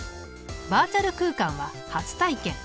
バーチャル空間は初体験。